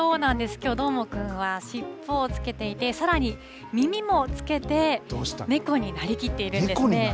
きょう、どーもくんは尻尾をつけていて、さらに耳もつけて猫になりきっているんですね。